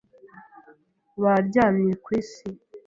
Baryamye ku isi